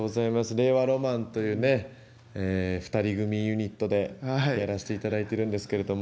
令和ロマンというね２人組ユニットでやらせていただいてるんですけれども。